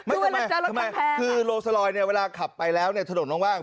มันทำไมทำไมคือโรสลอยเนี่ยเวลาขับไปแล้วถนนลงว่าง